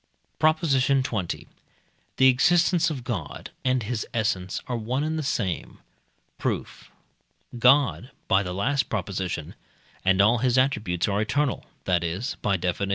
PROP. XX. The existence of God and his essence are one and the same. Proof. God (by the last Prop.) and all his attributes are eternal, that is (by Def. viii.)